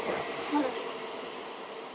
・まだです。